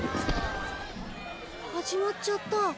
始まっちゃった。